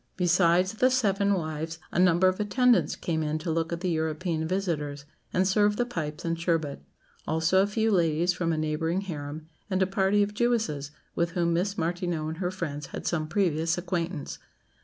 Besides the seven wives, a number of attendants came in to look at the European visitors, and serve the pipes and sherbet; also a few ladies from a neighbouring harem; and a party of Jewesses, with whom Miss Martineau and her friends had some previous acquaintance.